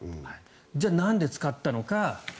じゃあ、なんで使ったのか。